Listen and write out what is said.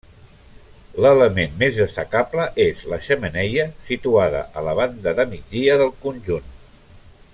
L'element més destacable és la xemeneia, situada a la banda de migdia del conjunt.